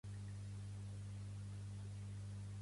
Quina professió exerceix Oriol Mitjà?